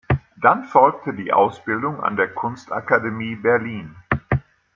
Dann folgte die Ausbildung an der Kunstakademie Berlin.